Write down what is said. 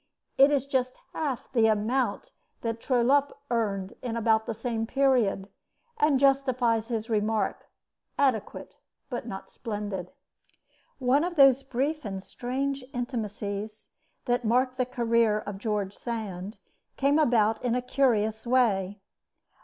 It is just half the amount that Trollope earned in about the same period, and justifies his remark "adequate, but not splendid." One of those brief and strange intimacies that marked the career of George Sand came about in a curious way.